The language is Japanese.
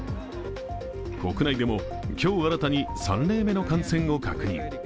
国内でも今日新たに３例目の感染を確認。